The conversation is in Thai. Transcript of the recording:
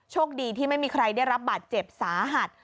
โชคดีที่ไม่มีใครได้รับบาดเจ็บสาหัส